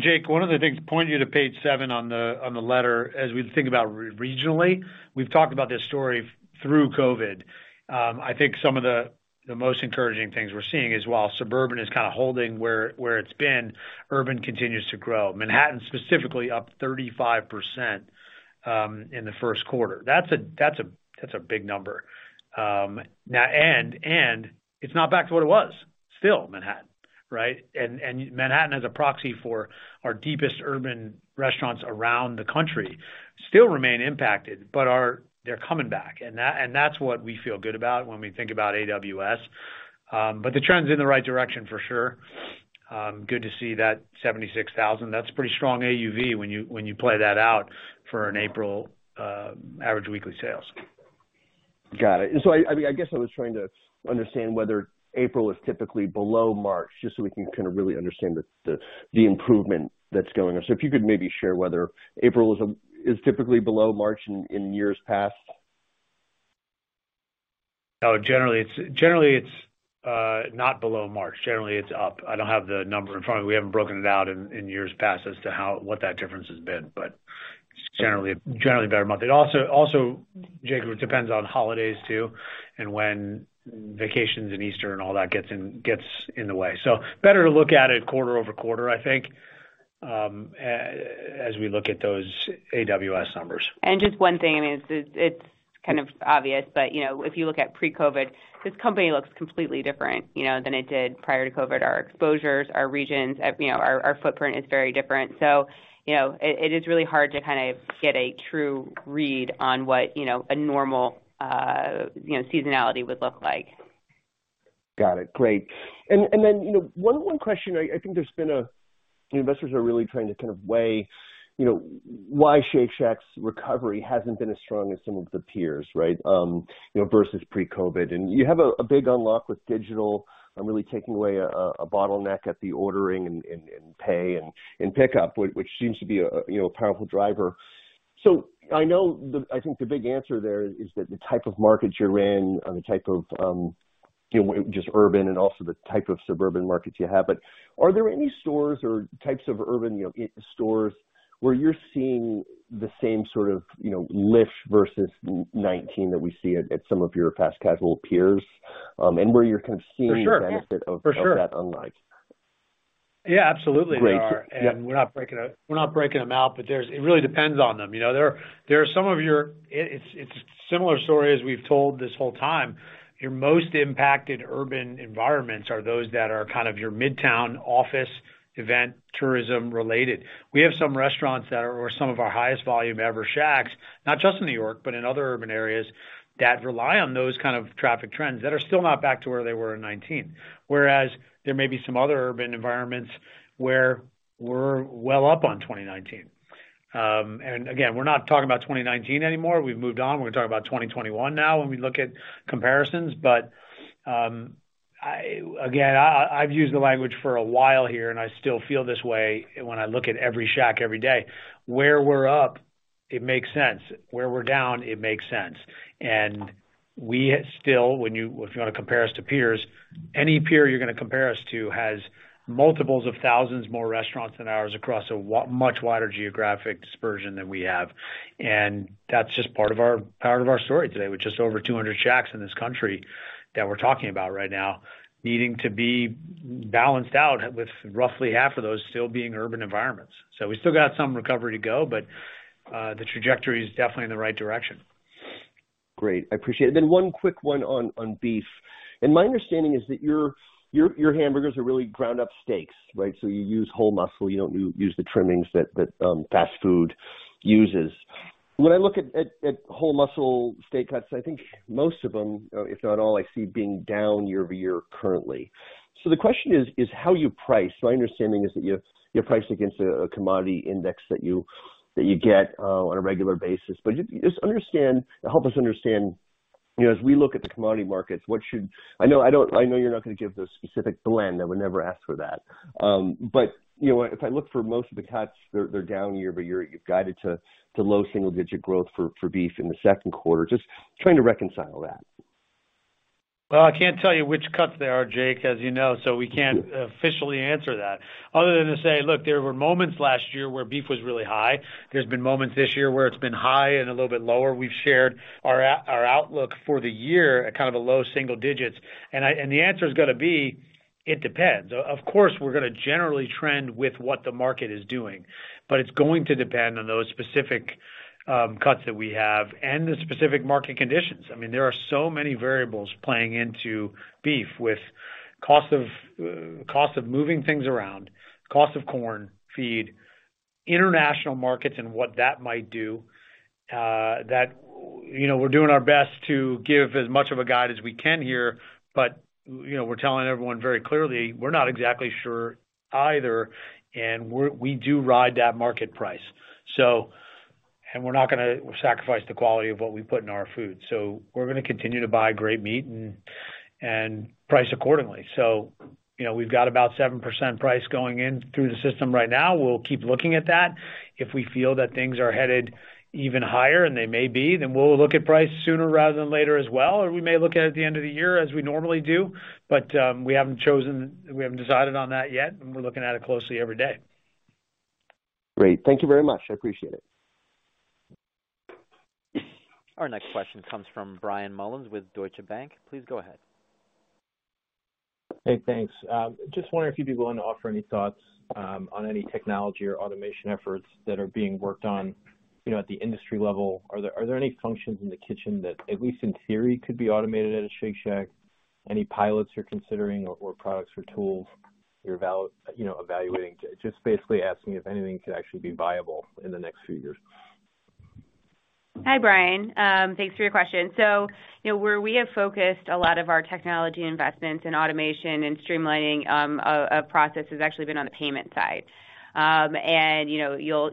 Jake, one of the things, point you to page seven on the, on the letter as we think about our regionally, we've talked about this story through COVID. I think some of the most encouraging things we're seeing is while suburban is kind of holding where it's been, urban continues to grow. Manhattan, specifically, up 35% in the first quarter. That's a big number. Now and it's not back to what it was. Still Manhattan, right? And Manhattan as a proxy for our deepest urban restaurants around the country still remain impacted, but they're coming back. That's what we feel good about when we think about AWS. But the trend's in the right direction for sure. Good to see that $76,000. That's pretty strong AUV when you play that out for an April average weekly sales. Got it. I mean, I guess I was trying to understand whether April is typically below March, just so we can kind of really understand the improvement that's going on. If you could maybe share whether April is typically below March in years past. No, generally it's not below March. Generally, it's up. I don't have the number in front of me. We haven't broken it out in years past as to how that difference has been, but generally a better month. It also, Jake, it depends on holidays too, and when vacations and Easter and all that gets in the way. Better to look at it quarter-over-quarter, I think, as we look at those AWS numbers. Just one thing, I mean, it's kind of obvious, but, you know, if you look at pre-COVID, this company looks completely different, you know, than it did prior to COVID. Our exposures, our regions, you know, our footprint is very different. You know, it is really hard to kind of get a true read on what, you know, a normal seasonality would look like. Got it. Great. You know, one question. I think investors are really trying to kind of weigh, you know, why Shake Shack's recovery hasn't been as strong as some of the peers, right? You know, versus pre-COVID. You have a big unlock with digital, really taking away a bottleneck at the ordering and pay and pickup, which seems to be, you know, a powerful driver. I think the big answer there is that the type of markets you're in or the type of, you know, just urban and also the type of suburban markets you have. Are there any stores or types of urban, you know, stores where you're seeing the same sort of, you know, lift versus 2019 that we see at some of your fast casual peers, and where you're kind of seeing- For sure. the benefit of that online? For sure. Yeah, absolutely there are. Great. Yeah. We're not breaking them out, but it really depends on them. There are some of your. It's a similar story as we've told this whole time. Your most impacted urban environments are those that are kind of your midtown office event, tourism related. We have some restaurants that are some of our highest volume ever Shacks, not just in New York, but in other urban areas that rely on those kind of traffic trends that are still not back to where they were in 2019. Whereas there may be some other urban environments where we're well up on 2019. We're not talking about 2019 anymore. We've moved on. We're gonna talk about 2021 now when we look at comparisons. I've used the language for a while here, and I still feel this way when I look at every Shack every day. Where we're up, it makes sense. Where we're down, it makes sense. We still, if you wanna compare us to peers, any peer you're gonna compare us to has multiples of thousands more restaurants than ours across much wider geographic dispersion than we have. That's just part of our story today, with just over 200 Shacks in this country that we're talking about right now needing to be balanced out with roughly half of those still being urban environments. We still got some recovery to go, but the trajectory is definitely in the right direction. Great, I appreciate it. One quick one on beef. My understanding is that your hamburgers are really ground up steaks, right? You use whole muscle, you don't use the trimmings that fast food uses. When I look at whole muscle steak cuts, I think most of them, if not all, I see being down year-over-year currently. The question is how you price. My understanding is that you price against a commodity index that you get on a regular basis. Help us understand, you know, as we look at the commodity markets, what should. I know you're not gonna give the specific blend. I would never ask for that. You know, if I look for most of the cuts, they're down year over year. You've guided to low single digit growth for beef in the second quarter. Just trying to reconcile that. Well, I can't tell you which cuts they are, Jake, as you know, so we can't officially answer that other than to say, look, there were moments last year where beef was really high. There's been moments this year where it's been high and a little bit lower. We've shared our outlook for the year at kind of a low single digits. The answer is gonna be, it depends. Of course, we're gonna generally trend with what the market is doing, but it's going to depend on those specific cuts that we have and the specific market conditions. I mean, there are so many variables playing into beef with cost of moving things around, cost of corn, feed, international markets and what that might do. You know, we're doing our best to give as much of a guide as we can here, but you know, we're telling everyone very clearly, we're not exactly sure either. We do ride that market price. We're not gonna sacrifice the quality of what we put in our food. We're gonna continue to buy great meat and price accordingly. You know, we've got about 7% price going in through the system right now. We'll keep looking at that. If we feel that things are headed even higher, and they may be, then we'll look at price sooner rather than later as well. Or we may look at it at the end of the year as we normally do. We haven't decided on that yet, and we're looking at it closely every day. Great. Thank you very much. I appreciate it. Our next question comes from Brian Mullan with Deutsche Bank. Please go ahead. Hey, thanks. Just wondering if you'd be willing to offer any thoughts on any technology or automation efforts that are being worked on, you know, at the industry level. Are there any functions in the kitchen that, at least in theory, could be automated at a Shake Shack? Any pilots you're considering or products or tools you're, you know, evaluating? Just basically asking if anything could actually be viable in the next few years. Hi, Brian. Thanks for your question. You know, where we have focused a lot of our technology investments in automation and streamlining, a process has actually been on the payment side. You know, you'll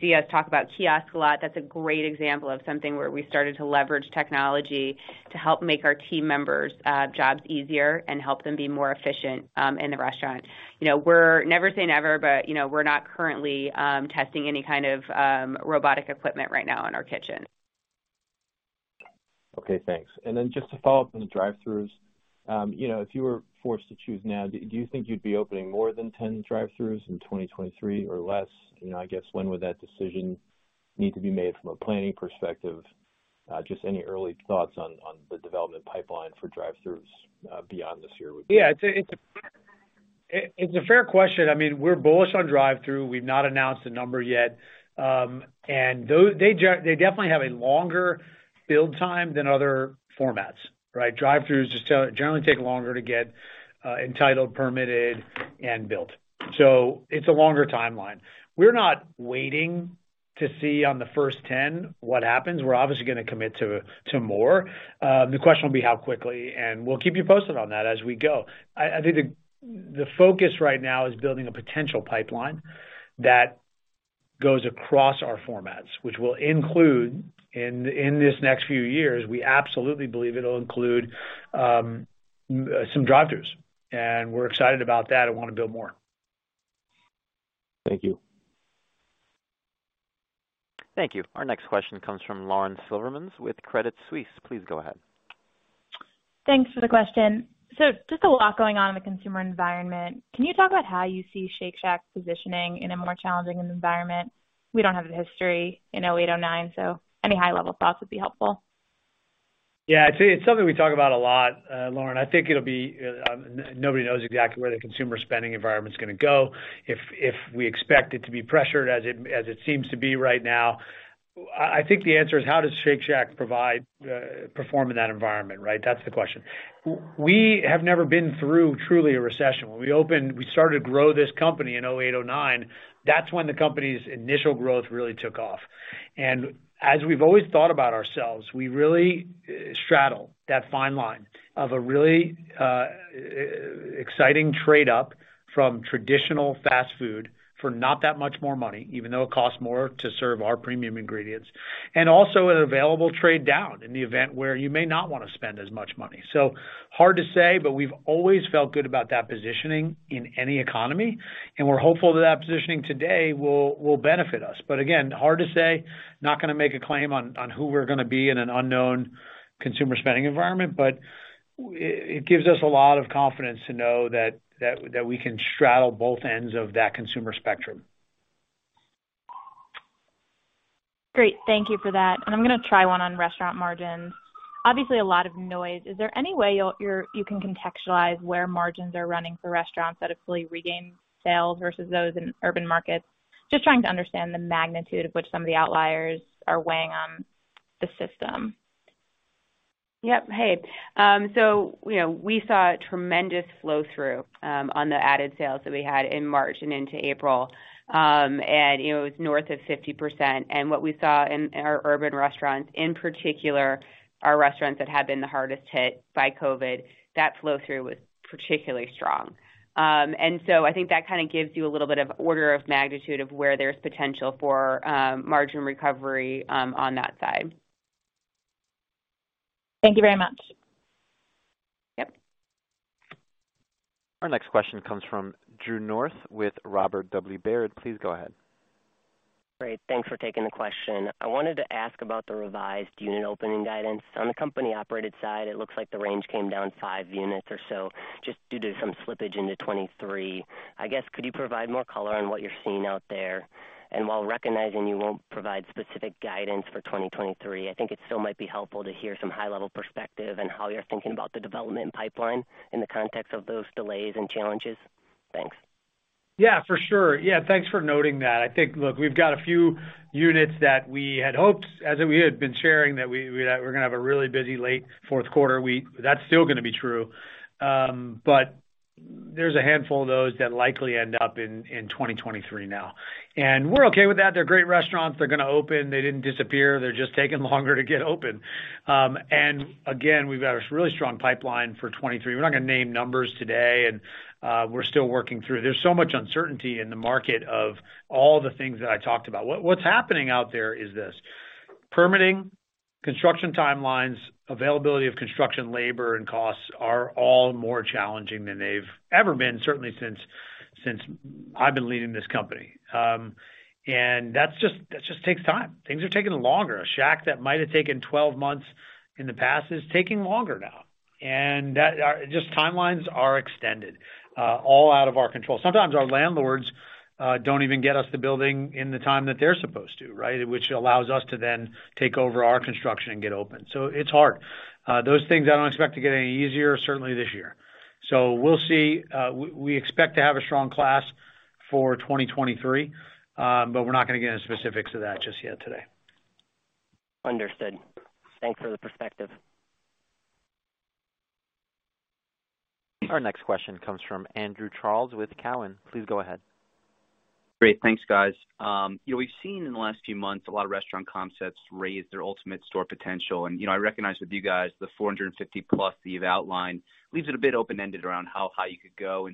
see us talk about kiosks a lot. That's a great example of something where we started to leverage technology to help make our team members' jobs easier and help them be more efficient in the restaurant. You know, we're never say never, but you know, we're not currently testing any kind of robotic equipment right now in our kitchen. Okay, thanks. Just to follow up on the drive-throughs, you know, if you were forced to choose now, do you think you'd be opening more than 10 drive-throughs in 2023 or less? You know, I guess, when would that decision need to be made from a planning perspective? Just any early thoughts on the development pipeline for drive-throughs beyond this year would be? Yeah. It's a fair question. I mean, we're bullish on drive-through. We've not announced a number yet. They definitely have a longer build time than other formats, right? Drive-throughs generally take longer to get entitled, permitted, and built. So it's a longer timeline. We're not waiting to see on the first 10 what happens. We're obviously gonna commit to more. The question will be how quickly, and we'll keep you posted on that as we go. I think the focus right now is building a potential pipeline that goes across our formats, which will include in this next few years, we absolutely believe it'll include some drive-throughs, and we're excited about that and wanna build more. Thank you. Thank you. Our next question comes from Lauren Silberman with Credit Suisse. Please go ahead. Thanks for the question. Just a lot going on in the consumer environment. Can you talk about how you see Shake Shack positioning in a more challenging environment? We don't have the history in 2008, 2009, so any high-level thoughts would be helpful. Yeah. It's something we talk about a lot, Lauren. I think it'll be nobody knows exactly where the consumer spending environment's gonna go. If we expect it to be pressured as it seems to be right now. I think the answer is how does Shake Shack perform in that environment, right? That's the question. We have never been through truly a recession. When we opened, we started to grow this company in 2008, 2009. That's when the company's initial growth really took off. As we've always thought about ourselves, we really straddle that fine line of a really exciting trade-up from traditional fast food for not that much more money, even though it costs more to serve our premium ingredients, and also an available trade down in the event where you may not wanna spend as much money. Hard to say, but we've always felt good about that positioning in any economy, and we're hopeful that that positioning today will benefit us. Again, hard to say, not gonna make a claim on who we're gonna be in an unknown consumer spending environment. It gives us a lot of confidence to know that we can straddle both ends of that consumer spectrum. Great. Thank you for that. I'm gonna try one on restaurant margins. Obviously, a lot of noise. Is there any way you can contextualize where margins are running for restaurants that have fully regained sales versus those in urban markets? Just trying to understand the magnitude of which some of the outliers are weighing on the system. Hey, you know, we saw a tremendous flow-through on the added sales that we had in March and into April. You know, it was north of 50%. What we saw in our urban restaurants, in particular, our restaurants that had been the hardest hit by COVID, that flow-through was particularly strong. I think that kind of gives you a little bit of order of magnitude of where there's potential for margin recovery on that side. Thank you very much. Yep. Our next question comes from Drew North with Robert W. Baird & Co. Please go ahead. Great. Thanks for taking the question. I wanted to ask about the revised unit opening guidance. On the company-operated side, it looks like the range came down 5 units or so just due to some slippage into 2023. I guess, could you provide more color on what you're seeing out there? While recognizing you won't provide specific guidance for 2023, I think it still might be helpful to hear some high-level perspective and how you're thinking about the development pipeline in the context of those delays and challenges. Thanks. Yeah, for sure. Yeah, thanks for noting that. I think, look, we've got a few units that we had hoped, as we had been sharing, that we're gonna have a really busy late fourth quarter. That's still gonna be true. But there's a handful of those that likely end up in 2023 now. We're okay with that. They're great restaurants. They're gonna open. They didn't disappear. They're just taking longer to get open. Again, we've got a really strong pipeline for 2023. We're not gonna name numbers today, and we're still working through. There's so much uncertainty in the market of all the things that I talked about. What's happening out there is permitting, construction timelines, availability of construction labor and costs are all more challenging than they've ever been, certainly since I've been leading this company. That's just, that just takes time. Things are taking longer. A Shack that might have taken 12 months in the past is taking longer now. That just timelines are extended, all out of our control. Sometimes our landlords don't even get us the building in the time that they're supposed to, right? Which allows us to then take over our construction and get open. It's hard. Those things I don't expect to get any easier, certainly this year. We'll see. We expect to have a strong class for 2023, but we're not gonna get into specifics of that just yet today. Understood. Thanks for the perspective. Our next question comes from Andrew Charles with Cowen. Please go ahead. Great. Thanks, guys. You know, we've seen in the last few months a lot of restaurant concepts raise their ultimate store potential. You know, I recognize with you guys the 450+ that you've outlined leaves it a bit open-ended around how high you could go.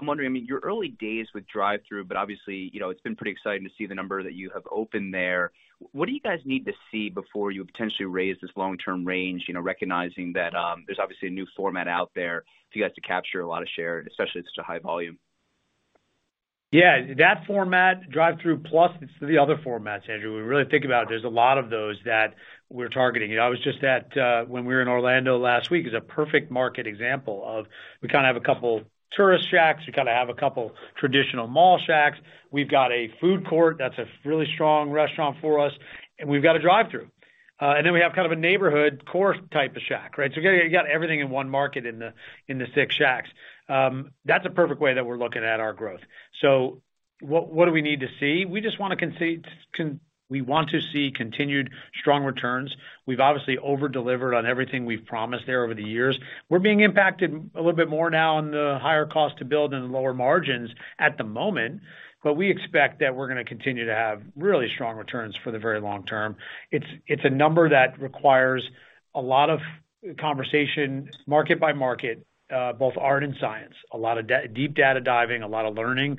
I'm wondering, I mean, you're early days with drive-thru, but obviously, you know, it's been pretty exciting to see the number that you have opened there. What do you guys need to see before you potentially raise this long-term range, you know, recognizing that, there's obviously a new format out there for you guys to capture a lot of share, especially at such a high volume? Yeah, that format, drive-thru, plus it's the other formats, Andrew. When we really think about it, there's a lot of those that we're targeting. You know, I was just at when we were in Orlando last week, it was a perfect market example of we kind of have a couple tourist Shacks, we kind of have a couple traditional mall Shacks. We've got a food court that's a really strong restaurant for us, and we've got a drive-thru. And then we have kind of a neighborhood core type of Shack, right? You got everything in one market in the six Shacks. That's a perfect way that we're looking at our growth. What do we need to see? We just want to see continued strong returns. We've obviously over-delivered on everything we've promised there over the years. We're being impacted a little bit more now on the higher cost to build and the lower margins at the moment, but we expect that we're gonna continue to have really strong returns for the very long term. It's a number that requires a lot of conversation market by market, both art and science, a lot of deep data diving, a lot of learning,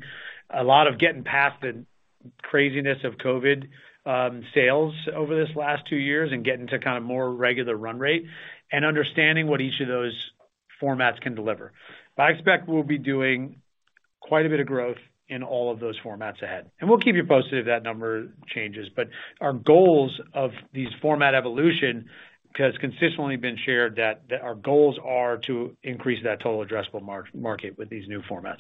a lot of getting past the craziness of COVID, sales over this last two years and getting to kind of more regular run rate and understanding what each of those formats can deliver. I expect we'll be doing quite a bit of growth in all of those formats ahead. We'll keep you posted if that number changes. our goals of these format evolution has consistently been shared that our goals are to increase that total addressable market with these new formats.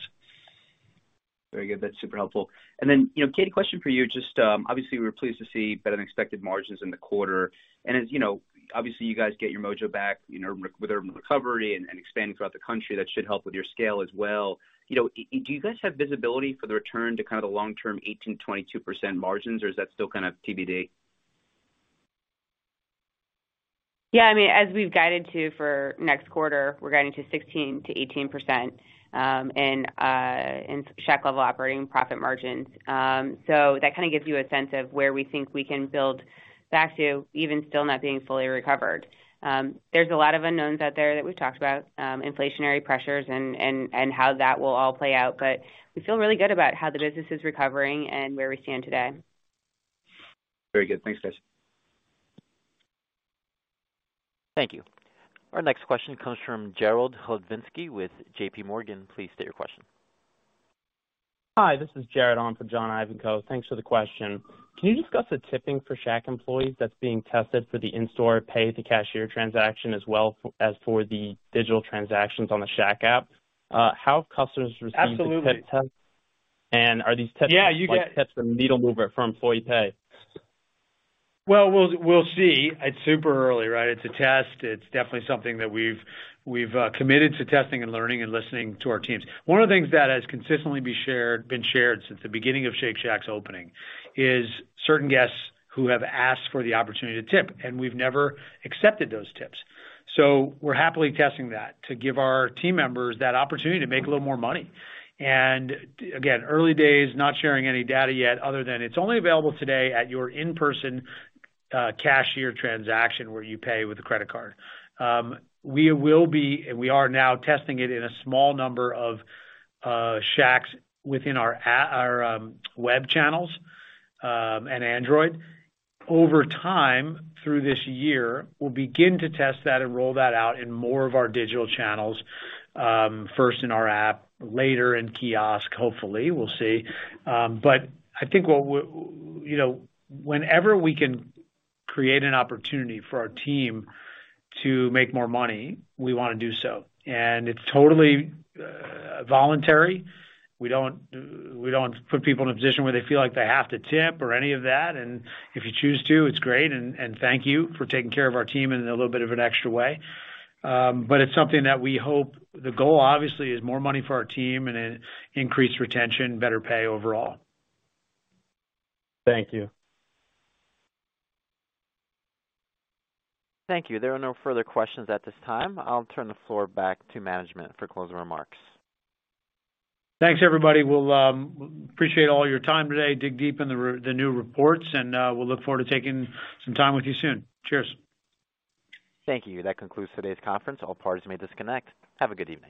Very good. That's super helpful. Then, you know, Katie, question for you. Just, obviously, we were pleased to see better than expected margins in the quarter. As you know, obviously, you guys get your mojo back, you know, with urban recovery and expanding throughout the country, that should help with your scale as well. You know, do you guys have visibility for the return to kind of the long-term 18%-22% margins, or is that still kind of TBD? Yeah, I mean, as we've guided to for next quarter, we're guiding to 16%-18% in Shack-level operating profit margins. So that kind of gives you a sense of where we think we can build back to even still not being fully recovered. There's a lot of unknowns out there that we've talked about, inflationary pressures and how that will all play out, but we feel really good about how the business is recovering and where we stand today. Very good. Thanks, guys. Thank you. Our next question comes from Jared Hludzinski with J.P. Morgan. Please state your question. Hi, this is Jared on for John Ivankoe. Thanks for the question. Can you discuss the tipping for Shack employees that's being tested for the in-store pay at the cashier transaction as well as for the digital transactions on the Shack app? How customers received- Absolutely. The tip test and are these tests. Yeah, you get. Like, it's the needle mover for employee pay? Well, we'll see. It's super early, right? It's a test. It's definitely something that we've committed to testing and learning and listening to our teams. One of the things that has consistently been shared since the beginning of Shake Shack's opening is certain guests who have asked for the opportunity to tip, and we've never accepted those tips. We're happily testing that to give our team members that opportunity to make a little more money. Again, early days, not sharing any data yet other than it's only available today at your in-person cashier transaction where you pay with a credit card. We are now testing it in a small number of Shacks within our web channels and Android. Over time, through this year, we'll begin to test that and roll that out in more of our digital channels, first in our app, later in kiosk, hopefully. We'll see. I think what you know, whenever we can create an opportunity for our team to make more money, we wanna do so. It's totally voluntary. We don't put people in a position where they feel like they have to tip or any of that. If you choose to, it's great and thank you for taking care of our team in a little bit of an extra way. It's something that we hope the goal, obviously, is more money for our team and increased retention, better pay overall. Thank you. Thank you. There are no further questions at this time. I'll turn the floor back to management for closing remarks. Thanks, everybody. We'll appreciate all your time today. Dig deep in the new reports and we'll look forward to taking some time with you soon. Cheers. Thank you. That concludes today's conference. All parties may disconnect. Have a good evening.